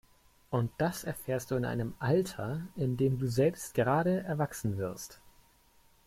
Und das erfährst du in einem Alter, in dem du selbst gerade erwachsen wirst.